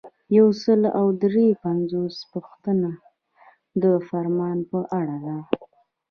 یو سل او درې پنځوسمه پوښتنه د فرمان په اړه ده.